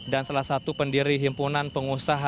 dan salah satu pendiri himpunan pengusaha